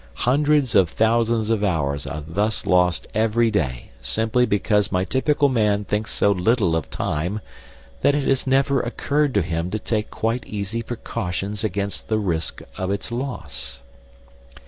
Hundreds of thousands of hours are thus lost every day simply because my typical man thinks so little of time that it has never occurred to him to take quite easy precautions against the risk of its loss.